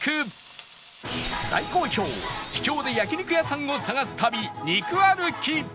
大好評秘境で焼肉屋さんを探す旅肉歩き